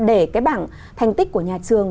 để cái bảng thành tích của nhà trường